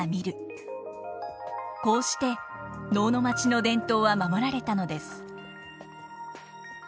こうして能の町の伝統は守られたのです。